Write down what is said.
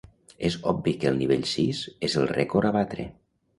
És obvi que el nivell sis és el rècord a batre.